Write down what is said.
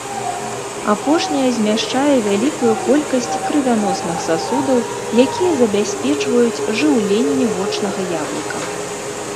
Апошняя змяшчае вялікую колькасць крывяносных сасудаў, якія забяспечваюць жыўленне вочнага яблыка.